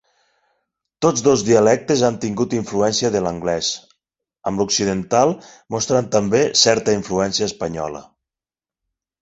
Tots dos dialectes han tingut influència de l'anglès, amb l'occidental mostrant també certa influència espanyola.